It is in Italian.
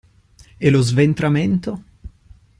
E lo sventramento?